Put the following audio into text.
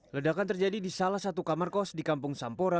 ledakan terjadi di salah satu kamar kos di kampung sampora